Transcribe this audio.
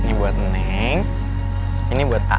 ini buat neng ini buat a